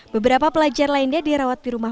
beberapa pelajar lainnya dirawat di rumah